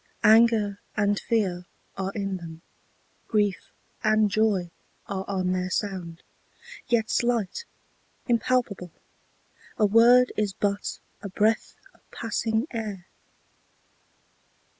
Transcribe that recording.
Anger and fear are in them; grief and joy Are on their sound; yet slight, impalpable: A word is but a breath of passing air.